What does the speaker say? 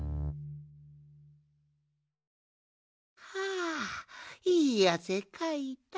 はあいいあせかいた。